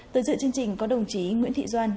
từ dựa chương trình có đồng chí nguyễn thị doan